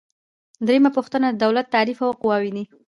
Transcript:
دریمه پوښتنه د دولت تعریف او قواوې دي.